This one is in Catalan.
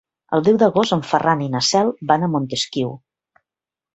El deu d'agost en Ferran i na Cel van a Montesquiu.